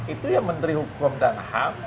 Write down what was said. itu ya menteri hukum dan ham